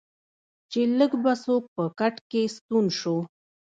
چې لږ به څوک په کټ کې ستون شو.